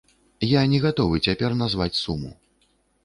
Я не гатовы цяпер назваць суму.